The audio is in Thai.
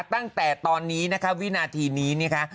ตั้งแต่ตอนนี้นะคะวินาทีนี้นะคะ